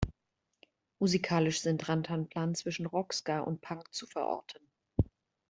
Musikalisch sind Rantanplan zwischen Rock, Ska und Punk zu verorten.